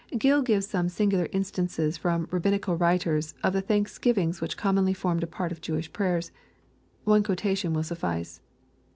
] Gill gives some singular instances from Rabbiul . cal writers of the thanksgivings which commonly formed part of Jewish prayers. One quotation will suffice.